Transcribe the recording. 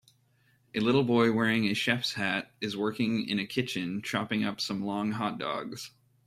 A little boy wearing a chef s hat is working in a kitchen chopping up some long hotdogs